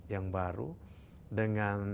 yang baru dengan